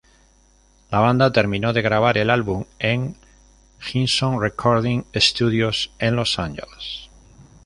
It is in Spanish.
La banda terminó de grabar el álbum en Henson Recording Studios en Los Ángeles.